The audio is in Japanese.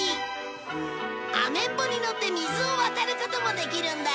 アメンボに乗って水を渡ることもできるんだ